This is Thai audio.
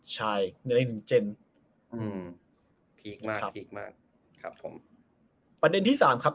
ใช่ไม่ได้ถึงเจนอืมพีคมากพีคมากครับผมประเด็นที่สามครับ